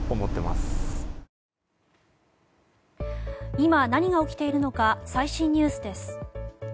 今、何が起きているのか最新ニュースです。